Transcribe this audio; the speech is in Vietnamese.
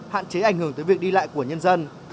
hạn chế ảnh hưởng tới việc đi lại của nhân dân